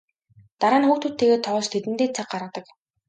Дараа нь хүүхдүүдтэйгээ тоглож тэдэндээ цаг гаргадаг.